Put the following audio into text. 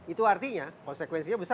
itu artinya konsekuensinya besar